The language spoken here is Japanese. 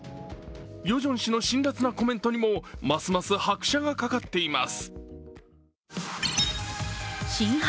ヨジョン氏の辛辣なコメントにもますます拍車がかかっています。